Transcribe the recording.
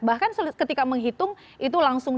bahkan ketika menghitung itu langsung